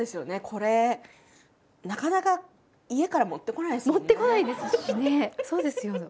これなかなか家から持ってこないですよね。